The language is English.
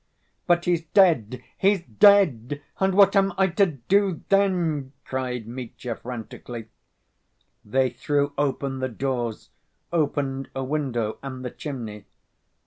"But he's dead, he's dead! and ... what am I to do then?" cried Mitya frantically. They threw open the doors, opened a window and the chimney.